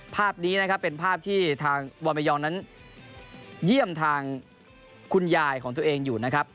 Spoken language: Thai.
ภาพนี้นะครับเป็นภาพที่ทางวอร์เมยองนั้นเยี่ยมทางคุณยายของตัวเองอยู่นะครับ